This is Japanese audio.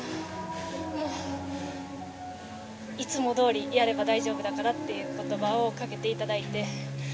もういつもどおりやれば大丈夫だからという言葉をかけていただいて。